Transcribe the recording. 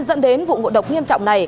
dẫn đến vụ ngộ độc nghiêm trọng này